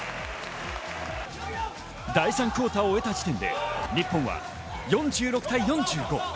第３クオーターを終えた時点で日本は４６対４５。